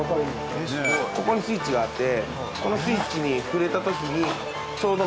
ここにスイッチがあって。